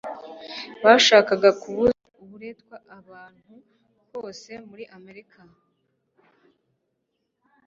bashakaga kubuza uburetwa ahantu hose muri amerika